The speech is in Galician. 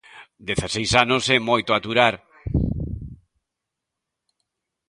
Dezaseis anos é moito aturar.